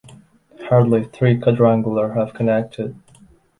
Hardly three quadrangular have connected.